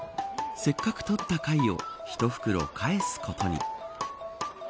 せっかく採った貝を１袋、返すことに。